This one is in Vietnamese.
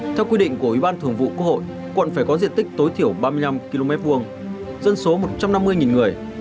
theo quy định của ủy ban thường vụ quốc hội quận phải có diện tích tối thiểu ba mươi năm km hai dân số một trăm năm mươi người